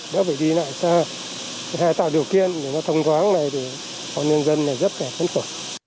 nếu phải đi lại xa phải tạo điều kiện để nó thông thoáng này thì con nhân dân này rất là khó khăn khổ